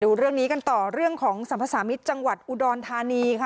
ดูเรื่องนี้กันต่อเรื่องของสรรพสามิตรจังหวัดอุดรธานีค่ะ